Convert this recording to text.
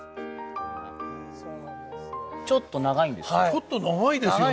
ちょっと長いですね。